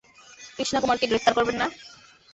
কৃষ্ণা কুমারকে গ্রেফতার করবেন না!